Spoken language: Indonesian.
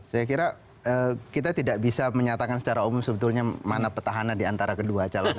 saya kira kita tidak bisa menyatakan secara umum sebetulnya mana petahana di antara kedua calon